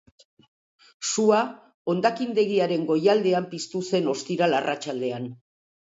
Sua hondakindegiaren goialdean piztu zen ostiral arratsaldean.